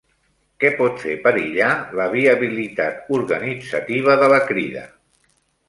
Què pot fer perillar la viabilitat organitzativa de la Crida?